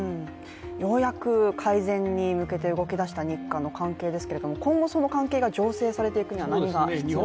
ようやく改善に向けて動きだした日韓関係ですが、今後、その関係が醸成されていくには何が必要になりますか。